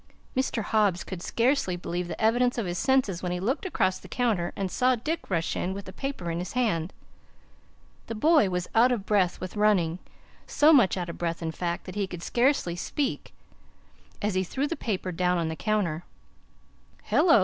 Mr. Hobbs could scarcely believe the evidence of his senses when he looked across the counter and saw Dick rush in with the paper in his hand. The boy was out of breath with running; so much out of breath, in fact, that he could scarcely speak as he threw the paper down on the counter. "Hello!"